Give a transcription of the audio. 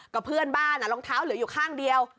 ก็เพื่อนบ้านรองเท้าเหลืออยู่ข้างเดียว